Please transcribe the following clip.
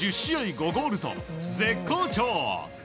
５ゴールと絶好調。